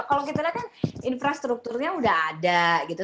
kalau kita lihat kan infrastrukturnya udah ada gitu